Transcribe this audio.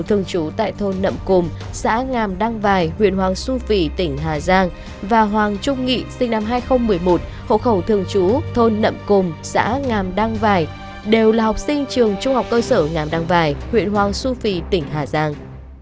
thường trú tại thôn nậm cùm xã ngàm đăng vài huyện hoàng su phi tỉnh hà giang và hoàng trung nghị sinh năm hai nghìn một mươi một hộ khẩu thường trú thôn nậm cùm xã ngàm đăng vài đều là học sinh trường trung học cơ sở ngàm đăng vài huyện hoàng su phi tỉnh hà giang